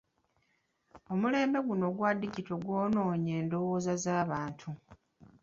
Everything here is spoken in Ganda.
Omulembe guno ogwa digito gwonoonye endowooza z'abantu.